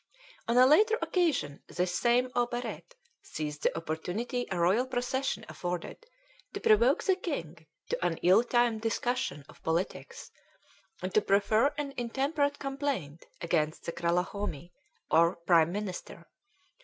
On a later occasion this same Aubaret seized the opportunity a royal procession afforded to provoke the king to an ill timed discussion of politics, and to prefer an intemperate complaint against the Kralahome, or prime minister.